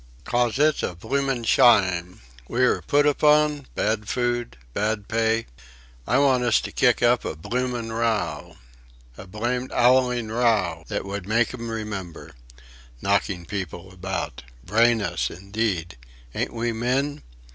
"'Cos it's a bloomin' shayme. We are put upon... bad food, bad pay... I want us to kick up a bloomin' row; a blamed 'owling row that would make 'em remember! Knocking people about... brain us indeed! Ain't we men?"